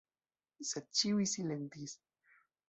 Sed ĉiuj silentis.